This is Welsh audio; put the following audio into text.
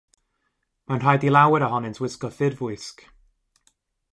Mae'n rhaid i lawer ohonynt wisgo ffurfwisg.